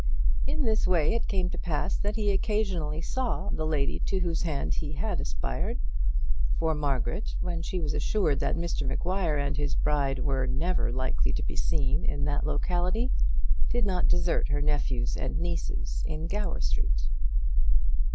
In this way it came to pass that he occasionally saw the lady to whose hand he had aspired; for Margaret, when she was assured that Mr Maguire and his bride were never likely to be seen in that locality, did not desert her nephews and nieces in Gower Street.